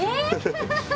⁉ハハハハ。